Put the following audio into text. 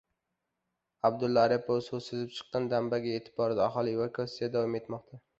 Abdulla Aripov suv sizib chiqqan dambaga yetib bordi. Aholi evakuatsiyasi davom etmoqda